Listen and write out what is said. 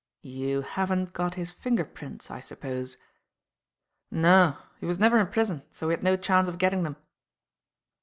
"You haven't got his finger prints, I suppose?" "No. He was never in prison, so we had no chance of getting them."